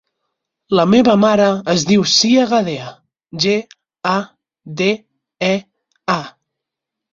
La meva mare es diu Sia Gadea: ge, a, de, e, a.